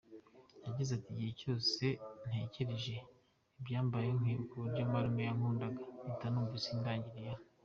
Yagize ati: “Igihe cyose ntekereje ibyambayeho, nkibuka uburyo marume yankundaga, mpita numva isi indangiriyeho.